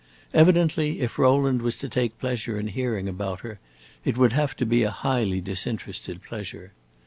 Evidently, if Rowland was to take pleasure in hearing about her, it would have to be a highly disinterested pleasure.